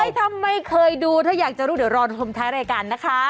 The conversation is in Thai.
ถ้าไม่เคยดูถ้าอยากจะรู้เดี๋ยวรอชมท้ายรายการนะคะ